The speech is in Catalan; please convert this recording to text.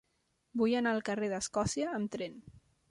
Vull anar al carrer d'Escòcia amb tren.